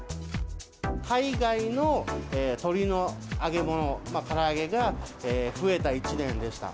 海外の鶏の揚げ物、から揚げが増えた１年でした。